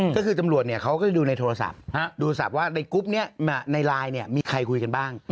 ก็คือตำรวจเขาก็ดูในโทรศัพท์ดูโทรศัพท์ว่าในกรุ๊ปนี้ในไลน์มีใครคุยกันบ้าง